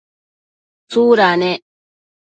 tsuda ne?